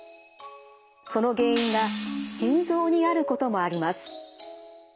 その原因が心臓にあることもあります。